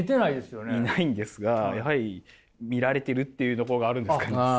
いないんですがやはり見られてるっていうところがあるんですかね。